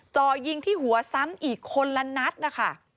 จ่อยิงที่หัวซ้ำอีกคนละนัดนะคะ